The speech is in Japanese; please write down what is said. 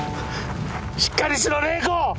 しっかりしろ玲子！